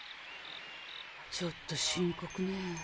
ちょっと深刻ね。